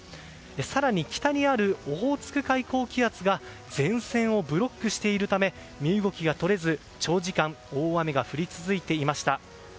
更に、北にあるオホーツク海高気圧が前線をブロックしているため身動きが取れず長時間大雨が降り続いていました。